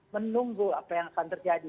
menunggu apa yang akan terjadi